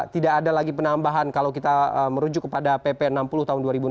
tidak ada lagi penambahan kalau kita merujuk kepada pp enam puluh tahun dua ribu enam belas